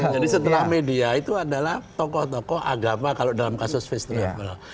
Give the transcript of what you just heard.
jadi setelah media itu adalah tokoh tokoh agama kalau dalam kasus facebook